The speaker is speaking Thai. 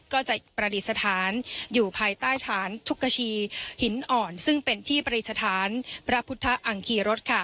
ก็จะประดิษฐานอยู่ภายใต้ฐานชุกชีหินอ่อนซึ่งเป็นที่ปริสถานพระพุทธอังคีรสค่ะ